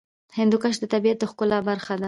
هندوکش د طبیعت د ښکلا برخه ده.